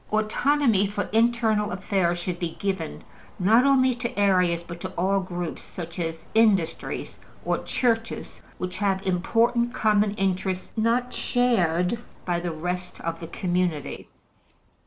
Autonomy for internal affairs should be given, not only to areas, but to all groups, such as industries or Churches, which have important common interests not shared by the rest of the community.